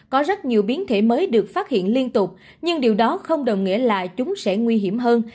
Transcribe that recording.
có rất nhiều biến thể mới được phát hiện liên tục nhưng điều đó không đồng nghĩa là chúng sẽ nguy hiểm hơn